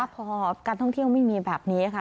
พอการท่องเที่ยวไม่มีแบบนี้ค่ะ